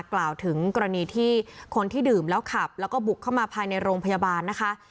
กล่าวถึงกรณีที่คนที่ดื่มแล้วขับแล้วก็บุกเข้ามาภายในโรงพยาบาลนะคะ